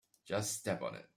Just step on it.